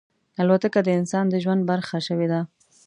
الوتکه د انسان د ژوند برخه شوې ده.